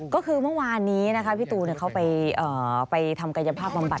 ก็คือเมื่อวานนี้นะคะพี่ตูนเขาไปทำกายภาพบำบัด